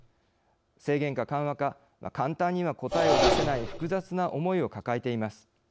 制限か緩和か簡単には答えを出せない複雑な思いを抱えています。